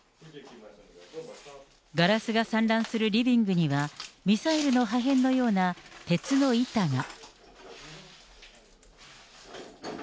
ガラスが散乱するリビングには、ミサイルの破片のような鉄の板が。